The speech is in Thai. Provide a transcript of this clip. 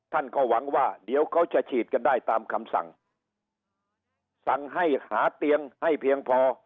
ท่านก็หวังว่าเดี๋ยวเขาจะฉีดกันได้ตามคำสั่งสั่งให้หาเตียงให้เพียงพอ